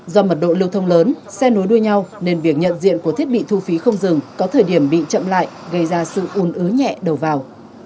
do mật độ lưu thông lớn xe nối đuôi nhau nên việc nhận diện của thiết bị thu phí không dừng có thời điểm bị chậm lại gây ra sự ồn ứ nhẹ đầu vào